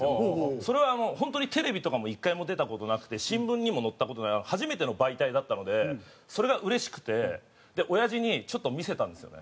それは本当にテレビとかも１回も出た事なくて新聞にも載った事ない初めての媒体だったのでそれがうれしくておやじにちょっと見せたんですよね。